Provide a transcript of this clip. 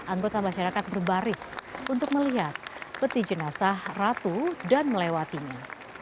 anggota masyarakat berbaris untuk melihat peti jenazah ratu dan melewatinya